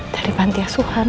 dari banti asuhan